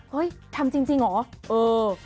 เฮ้ยทำจริงเหรอเออ